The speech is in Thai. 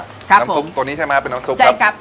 น้ำซุปตัวนี้ใช่ไหมครับเป็นน้ำซุปครับใช่ครับ